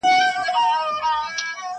او دا څنګه عدالت دی، ګرانه دوسته نه پوهېږم،